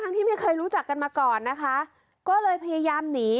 ที่ไม่เคยรู้จักกันมาก่อนนะคะก็เลยพยายามหนี